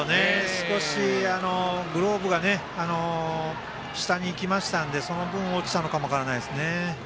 少しグローブが下にいきましたのでその分、落ちたのかも分からないですね。